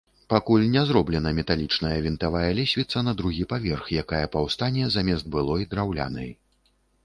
Пакуль не зроблена металічная вінтавая лесвіца на другі паверх, якая паўстане замест былой, драўлянай.